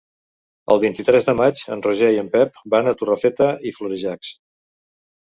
El vint-i-tres de maig en Roger i en Pep van a Torrefeta i Florejacs.